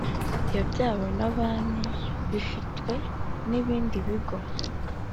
yabyawe na banki bifitwe n ibindi bigo